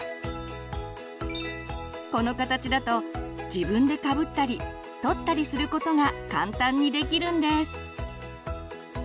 この形だと自分でかぶったり取ったりすることが簡単にできるんです。